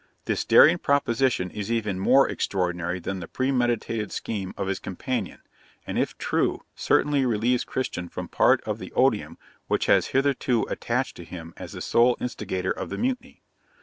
This daring proposition is even more extraordinary than the premeditated scheme of his companion, and, if true, certainly relieves Christian from part of the odium which has hitherto attached to him as the sole instigator of the mutiny.'